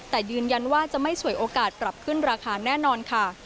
แต่ยืนยันว่าจะไม่ฉวยโอกาสปรับขึ้นราคาแน่นอนค่ะ